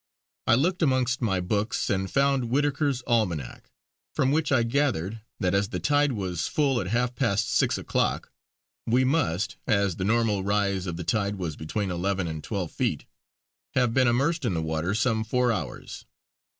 I looked amongst my books and found Whittaker's Almanach, from which I gathered that as the tide was full at half past six o'clock we must as the normal rise of the tide was between eleven and twelve feet have been immersed in the water some four hours.